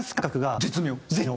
絶妙？